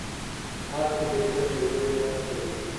هر کرکټر یو نوی درس لري.